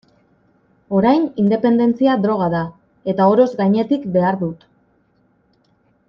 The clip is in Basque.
Orain, independentzia droga da, eta oroz gainetik behar dut.